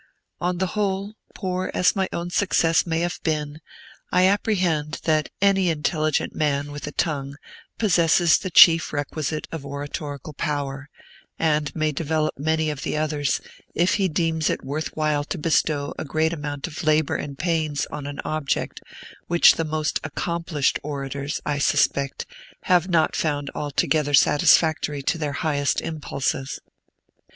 On the whole, poor as my own success may have been, I apprehend that any intelligent man with a tongue possesses the chief requisite of oratorical power, and may develop many of the others, if he deems it worth while to bestow a great amount of labor and pains on an object which the most accomplished orators, I suspect, have not found altogether satisfactory to their highest impulses.